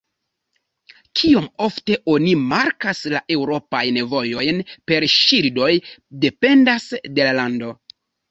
Kiom ofte oni markas la eŭropajn vojojn per ŝildoj, dependas de la lando.